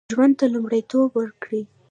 ژوند ته لومړیتوب ورکړو